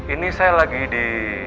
ini saya lagi di